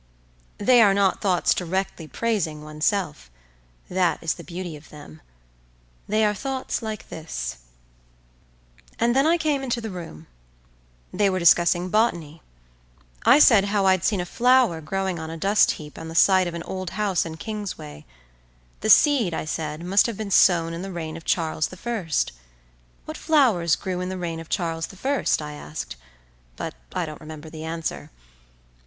They are not thoughts directly praising oneself; that is the beauty of them; they are thoughts like this:"And then I came into the room. They were discussing botany. I said how I'd seen a flower growing on a dust heap on the site of an old house in Kingsway. The seed, I said, must have been sown in the reign of Charles the First. What flowers grew in the reign of Charles the First?" I asked—(but, I don't remember the answer).